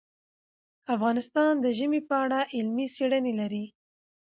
افغانستان د ژمی په اړه علمي څېړنې لري.